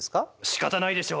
しかたないでしょ！